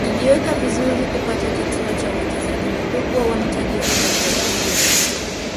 Wakijiweka vizuri kupata kituo cha uwekezaji mkubwa wa mtaji wa fedha za kigeni.